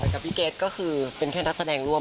กับพี่เกดก็คือเป็นแค่นักแสดงร่วม